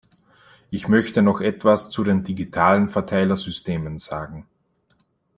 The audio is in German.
Ich möchte noch etwas zu den digitalen Verteilersystemen sagen.